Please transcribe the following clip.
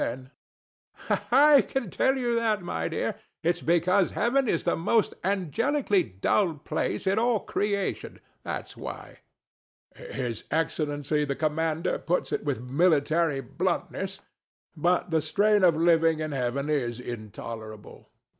I can tell you that, my dear. It's because heaven is the most angelically dull place in all creation: that's why. THE DEVIL. His excellency the Commander puts it with military bluntness; but the strain of living in Heaven is intolerable.